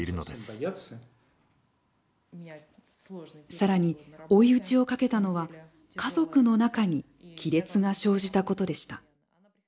さらに追い打ちをかけたのは家族の中に亀裂が生じたことでした。